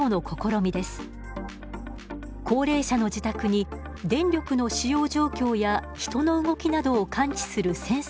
高齢者の自宅に電力の使用状況や人の動きなどを感知するセンサーを設置。